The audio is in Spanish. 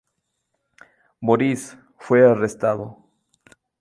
Maurice fue arrestado.